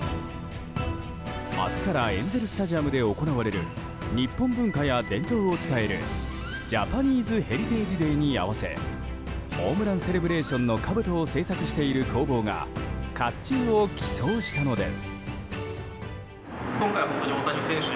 明日からエンゼル・スタジアムで行われる日本文化や伝統を伝えるジャパニーズ・ヘリテージ・デーに合わせホームランセレブレーションのかぶとを製作している工房が、甲冑を寄贈したのです。